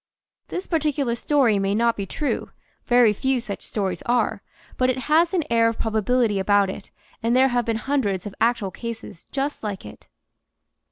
This particular story may not be true (very few such stories are), but it has an air of probability about it and there have been hundreds of actual cases just like it.